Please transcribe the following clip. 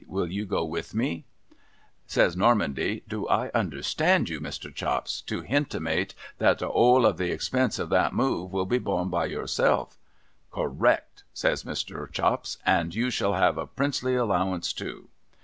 Will you go with me ?' Says Normandy :' Do I understand you, Mr. Chops, to hintimate that the 'ole of the expenses of that move will be borne by yourself ?'' Correct,' says Mr. Chops. ' And you shall have a Princely allowance too.'